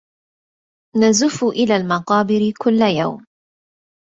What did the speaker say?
نزف إلى المقابر كل يوم